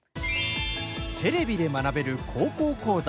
テレビで学べる「高校講座」